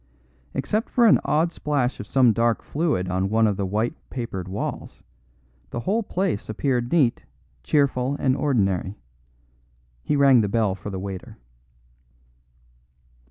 Except for an odd splash of some dark fluid on one of the white papered walls, the whole place appeared neat, cheerful and ordinary. He rang the bell for the waiter.